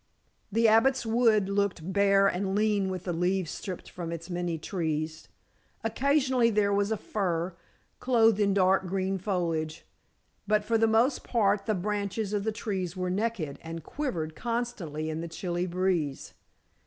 The Abbot's Wood looked bare and lean with the leaves stripped from its many trees. Occasionally there was a fir, clothed in dark green foliage, but for the most part the branches of the trees were naked, and quivered constantly in the chilly breeze.